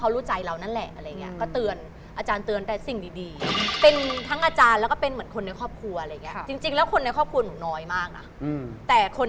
เราจะมูเรื่องเงิน